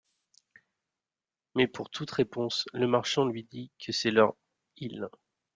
Mais pour toute réponse le marchand lui dit que c'est leur Ile.